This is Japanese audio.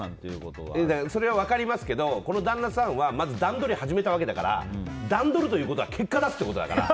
それは分かりますけどこの旦那さんはまず段取りを始めたわけだから段取るということは結果を出すってことだから。